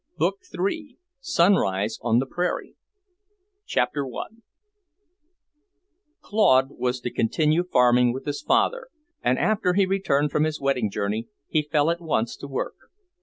Book Three; Sunrise on the Prairie I Claude was to continue farming with his father, and after he returned from his wedding journey, he fell at once to work.